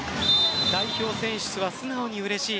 代表選出は素直にうれしい。